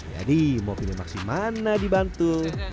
jadi mau pilih maksi mana dibantu